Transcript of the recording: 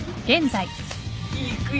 いくよ。